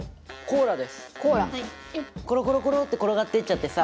コロコロコロって転がっていっちゃってさ。